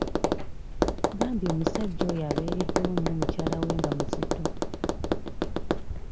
Bambi omusajja oyo abeereddewo nnyo mukyala we nga muzito.